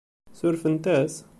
Surfent-as?